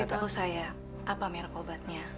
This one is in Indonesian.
beritahu saya apa merek obatnya